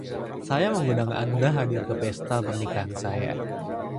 saya mengundang anda hadir ke pesta pernikahan saya.